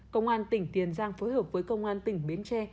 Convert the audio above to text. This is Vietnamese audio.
công an tỉnh tiền giang phối hợp với công an tỉnh bến tre